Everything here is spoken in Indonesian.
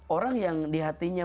orang yang di hatinya